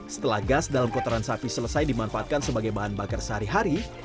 setelah gas dalam kotoran sapi selesai dimanfaatkan sebagai bahan bakar sehari hari